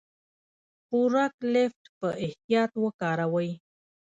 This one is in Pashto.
فورک لیفټ په احتیاط وکاروئ.